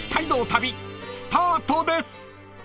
［スタートです］